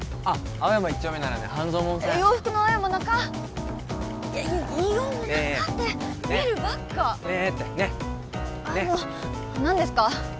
あもう何ですか？